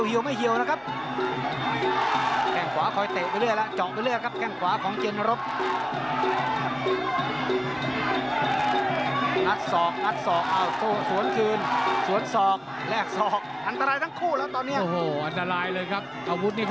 นี่นี่นี่นี่นี่นี่นี่นี่นี่